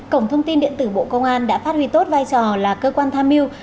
cổng thông tin điện tử bộ công an đã phát huy tốt vai trò là cơ quan tham mưu